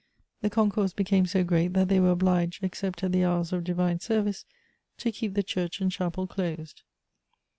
The concourse became so great, that they were obliged, ex cept at the hours of divine service, to keep the church and chapel closed.